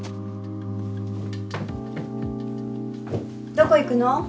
どこ行くの？